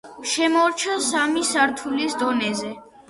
შემორჩა სამი სართულის დონეზე.